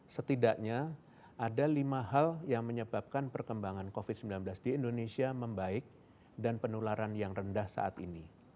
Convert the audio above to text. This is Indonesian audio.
setidaknya ada lima hal yang menyebabkan perkembangan covid sembilan belas di indonesia membaik dan penularan yang rendah saat ini